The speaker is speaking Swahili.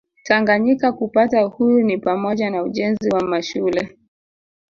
Tanganyika kupata uhuru ni pamoja na ujenzi wa mashule